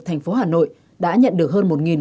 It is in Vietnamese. thành phố hà nội đã nhận được hơn một